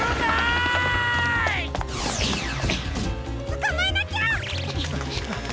つかまえなきゃ！